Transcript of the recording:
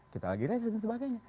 kita lagi resesi dan sebagainya